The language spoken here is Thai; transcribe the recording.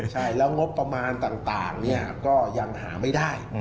ใช่แล้วงบประมาณต่างก็ยังหาไม่ได้